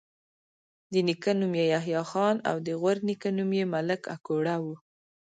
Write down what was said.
د نیکه نوم یحيی خان او د غورنیکه نوم یې ملک اکوړه وو